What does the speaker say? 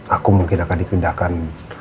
aku mungkin akan dipindahkan